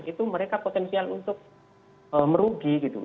itu mereka potensial untuk merugi gitu